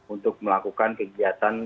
untuk melakukan kegiatan